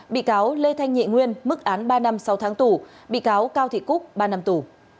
bị cáo lê thanh nhị nguyên mức án ba năm sáu tháng tù bị cáo cao thị cúc ba năm tù